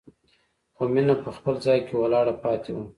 خو مينه په خپل ځای کې ولاړه پاتې وه.